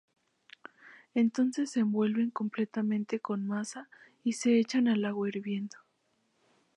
Entonces se envuelve completamente con masa y se echan al agua hirviendo.